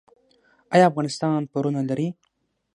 آیا افغانستان پورونه لري؟